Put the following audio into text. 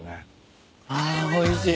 あおいしい。